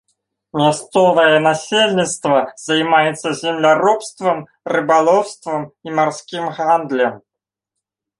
Мясцовае насельніцтва займаецца земляробствам, рыбалоўствам і марскім гандлем.